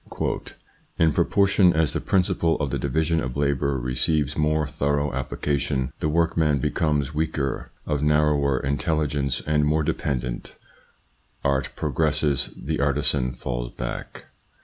" In propor tion as the principle of the division of labour receives more thorough application, the workman becomes weaker, of narrower intelligence, and more dependent, Art progresses, the artisan falls back.